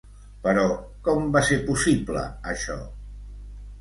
Però, com va ser possible això?